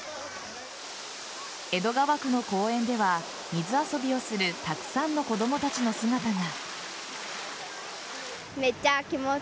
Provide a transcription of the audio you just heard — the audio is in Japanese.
江戸川区の公園では水遊びをするたくさんの子供たちの姿が。